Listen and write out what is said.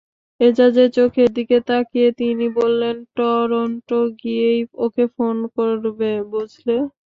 এজাজের চোখের দিকে তাকিয়ে তিনি বললেন, টরন্টো গিয়েই ওকে ফোন করবে বুঝলে।